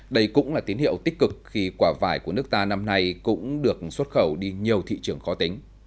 đây cũng là tín hiệu tích cực khi quả vải của nước ta năm nay cũng được xuất khẩu đi nhiều thị trường khó tính